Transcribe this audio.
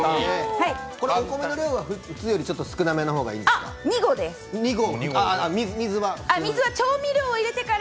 お米の量は普通よりちょっと少なめがいいんですか？